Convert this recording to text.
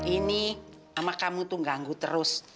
ini sama kamu tuh ganggu terus